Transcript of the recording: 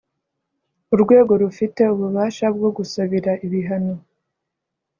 Urwego rufite ububasha bwo gusabira ibihano